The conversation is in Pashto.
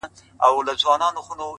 مه وله د سترگو اټوم مه وله’